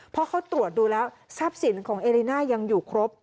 เพราะเขาตรวจดูแล้วทรัพย์สินของเอริน่ายังอยู่ครบ